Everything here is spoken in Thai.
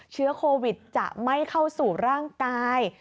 เชื้อโควิดจะไม่เข้าสู่ร่างกาย